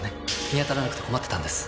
見当たらなくて困ってたんです。